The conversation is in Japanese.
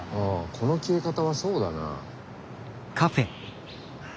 この消え方はそうだな。